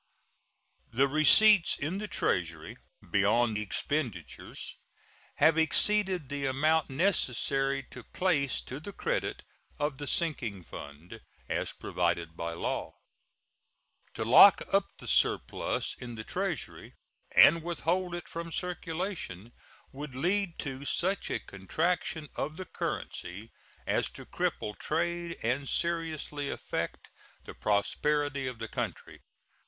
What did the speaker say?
The receipts in the Treasury beyond expenditures have exceeded the amount necessary to place to the credit of the sinking fund, as provided by law. To lock up the surplus in the Treasury and withhold it from circulation would lead to such a contraction of the currency as to cripple trade and seriously affect the prosperity of the country.